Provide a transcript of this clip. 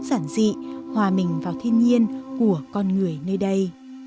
giản dị hòa mình vào thiên nhiên của con người nơi đây